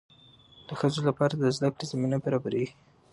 د ښځو لپاره د زده کړې زمینه برابریږي.